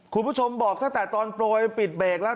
คุณผู้ชมบอกตั้งแต่ตอนโปรยปิดเบรกแล้ว